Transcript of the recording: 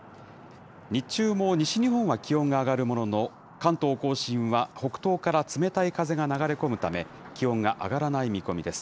日中も西日本は気温が上がるものの、関東甲信は北東から冷たい風が流れ込むため、気温が上がらない見込みです。